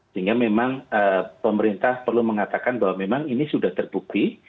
sehingga memang pemerintah perlu mengatakan bahwa memang ini sudah terbukti